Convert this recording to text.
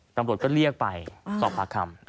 ตำรวจก็เรียกไปสอบพลักษณ์คำ